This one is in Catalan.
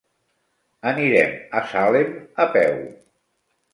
Anirem a Salem a peu.